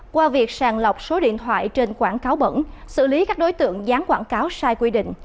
qua việc sàng lọc số điện thoại trên quảng cáo bẩn xử lý các đối tượng dán quảng cáo sai quy định